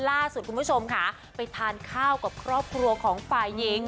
ล่าสุดคุณผู้ชมค่ะไปทานข้าวกับครอบครัวของฝ่ายหญิง